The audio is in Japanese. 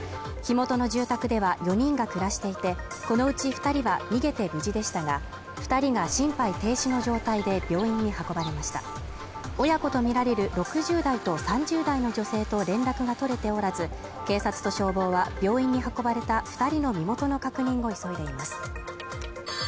火元の住宅では４人が暮らしていてこのうち二人は逃げて無事でしたが二人が心肺停止の状態で病院に運ばれました親子と見られる６０代と３０代の女性と連絡が取れておらず警察と消防は病院に運ばれた二人の身元の確認を急いでいます